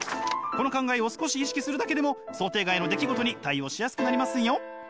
この考えを少し意識するだけでも想定外の出来事に対応しやすくなりますよ！